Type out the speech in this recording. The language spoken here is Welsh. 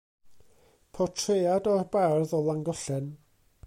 Portread o'r bardd o Langollen.